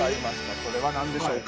それは何でしょうか？